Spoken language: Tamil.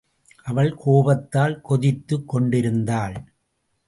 அவள் கோபத்தால் கொதித்துக் கொண்டிருந்தாள்.